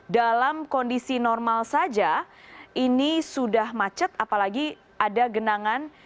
dalam kondisi normal saja ini sudah macet apalagi ada genangan